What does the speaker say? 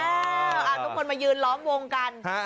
ทุกคนมายืนล้อมวงกัน